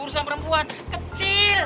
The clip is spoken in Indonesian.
urusan perempuan kecil